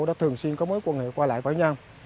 đã thường xuyên có mối quan hệ qua lại với nhau